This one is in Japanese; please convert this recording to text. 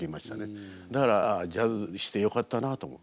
だからああジャズしてよかったなと思う。